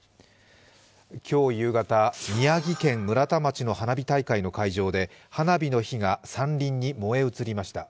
今日夕方、宮城県村田町の花火大会の会場で花火の火が山林に燃え移りました。